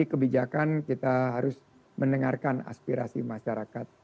jadi kebijakan kita harus mendengarkan aspirasi masyarakat